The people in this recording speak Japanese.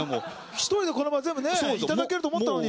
１人でこのまま全部いただけると思ったのに。